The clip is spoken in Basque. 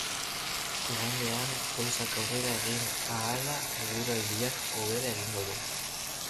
Igandean, goizak aurrera egin ahala eguraldiak hobera egingo du.